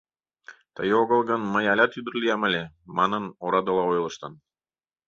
Тый огыл гын, мый алят ӱдыр лиям ыле, — манын, орадыла ойлыштын.